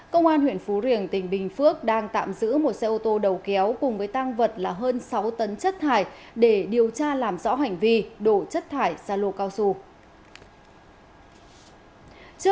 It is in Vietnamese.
công an huyện phú riềng tỉnh bình phước đang tạm giữ một xe ô tô đầu kéo cùng với tang vật là hơn sáu tấn chất thải để điều tra làm rõ hành vi đổ chất thải ra lô cao su